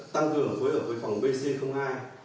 tăng cường phối hợp với phòng bc hai